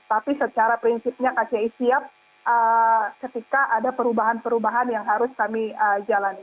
tapi secara prinsipnya kci siap ketika ada perubahan perubahan yang harus kami jalani